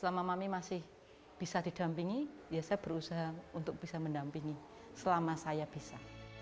selama mami masih bisa didampingi ya saya berusaha untuk bisa mendampingi selama saya bisa